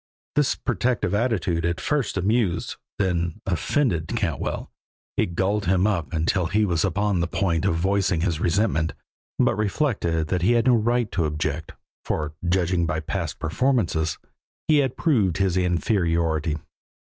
This protective attitude at first amused, then offended Cantwell, it galled him until he was upon the point of voicing his resentment, but reflected that he had no right to object, for, judging by past performances, he had proved his inferiority.